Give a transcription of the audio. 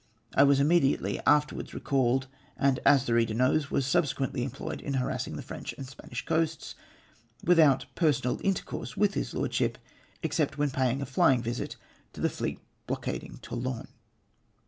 I was immediately afterwards recalled, and, as the reader knows, was subsequently employed m harassing the French and Spanish coasts, without further personal intercourse with his Lordship, except when paying a flymg visit to the fleet blockading Toulon.